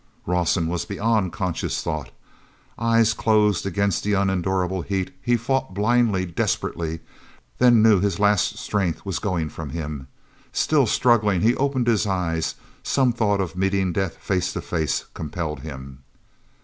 Rawson was beyond conscious thought. Eyes closed against the unendurable heat, he fought blindly, desperately, then knew his last strength was going from him. Still struggling he opened his eyes; some thought of meeting death face to face compelled him.